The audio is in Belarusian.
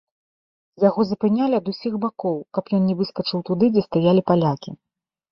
Яго запынялі ад усіх бакоў, каб ён не выскачыў туды, дзе стаялі палякі.